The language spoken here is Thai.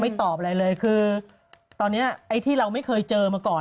ตอบอะไรเลยคือตอนนี้ไอ้ที่เราไม่เคยเจอมาก่อน